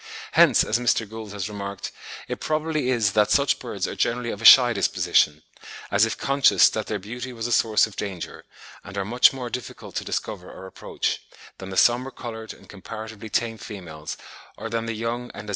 Hence, as Mr. Gould has remarked, it probably is that such birds are generally of a shy disposition, as if conscious that their beauty was a source of danger, and are much more difficult to discover or approach, than the sombre coloured and comparatively tame females or than the young and as yet unadorned males.